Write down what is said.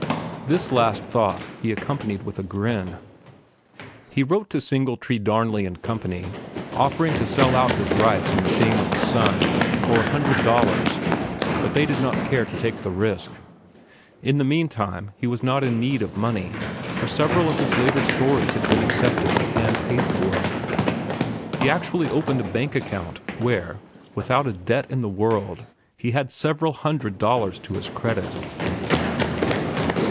This last thought he accompanied with a grin. He wrote to Singletree, Darnley & Co., offering to sell out his rights in "The Shame of the Sun" for a hundred dollars, but they did not care to take the risk. In the meantime he was not in need of money, for several of his later stories had been accepted and paid for. He actually opened a bank account, where, without a debt in the world, he had several hundred dollars to his credit.